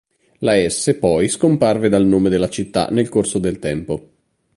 La "S", poi, scomparve dal nome della città nel corso del tempo.